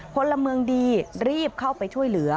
พลเมืองดีรีบเข้าไปช่วยเหลือ